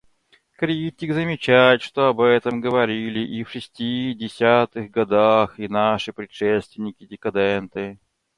Критик замечает, что об этом говорили и в шестидесятых годах и наши предшественники, декаденты.